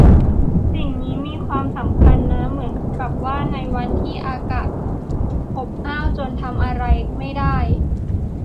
สิ่งนี้มีความสำคัญนะ เหมือนกับว่าในวันที่อากาศอบอ้าวจนทำอะไรไม่ได้